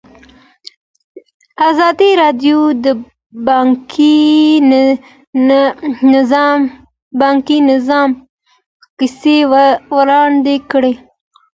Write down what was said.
ازادي راډیو د بانکي نظام کیسې وړاندې کړي.